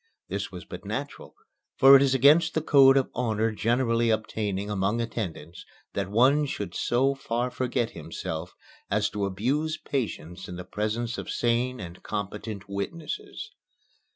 This was but natural, for it is against the code of honor generally obtaining among attendants, that one should so far forget himself as to abuse patients in the presence of sane and competent witnesses.